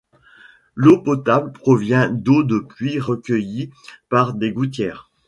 L’eau potable provient d’eau de pluie recueillie par des gouttières.